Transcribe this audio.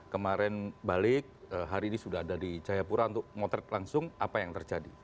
kemarin balik hari ini sudah ada di jayapura untuk motret langsung apa yang terjadi